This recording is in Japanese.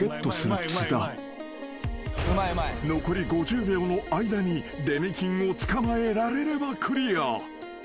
［残り５０秒の間にデメキンを捕まえられればクリア］